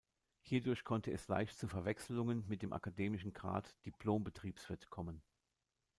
Hierdurch konnte es leicht zu Verwechselungen mit dem akademischen Grad "Diplom-Betriebswirt" kommen.